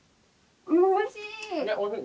おいしい！